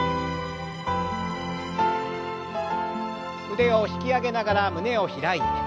腕を引き上げながら胸を開いて。